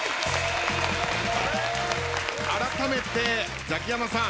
あらためてザキヤマさん